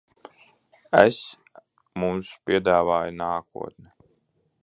Es mums piedāvāju nākotni.